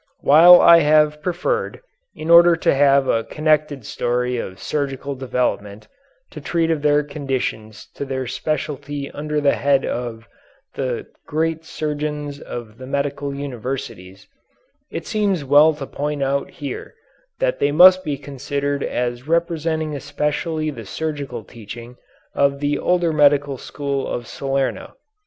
While I have preferred, in order to have a connected story of surgical development, to treat of their contributions to their specialty under the head of the "Great Surgeons of the Medieval Universities," it seems well to point out here that they must be considered as representing especially the surgical teaching of the older medical school of Salerno.